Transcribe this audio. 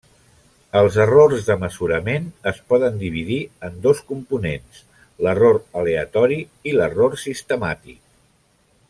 Els errors de mesurament es poden dividir en dos components: l'error aleatori i l'error sistemàtic.